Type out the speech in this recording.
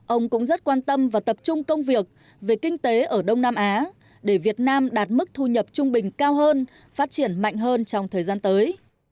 ông cũng rất quan tâm và tập trung công việc về kinh tế ở đông nam á để việt nam đạt mức thu nhập trung bình cao hơn phát triển mạnh hơn trong thời gian tới